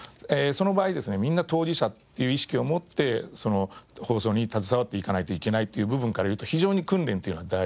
その場合ですねみんな当事者っていう意識を持ってその放送に携わっていかないといけないっていう部分から言うと非常に訓練っていうのは大事なんですね。